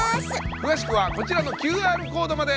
詳しくはこちらのＱＲコードまで！